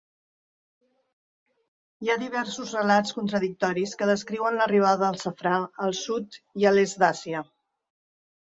Hi ha diversos relats contradictoris que descriuen l'arribada del safrà al sud i a l'est d'Àsia.